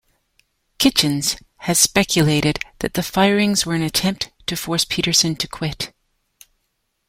Kitchens has speculated that the firings were an attempt to force Peterson to quit.